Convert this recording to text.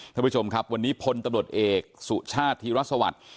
ท่านผู้ชมครับวันนี้พลตำรวจเอกสุชาติธีรสวัสดิ์